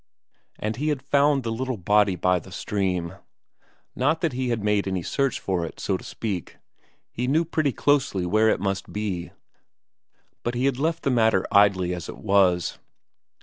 And he had found the little body by the stream. Not that he had made any search for it, to speak of; he knew pretty closely where it must be, but he had left the matter idly as it was.